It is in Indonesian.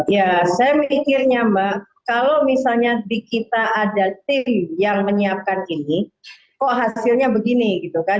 ya saya mikirnya mbak kalau misalnya di kita ada tim yang menyiapkan ini kok hasilnya begini gitu kan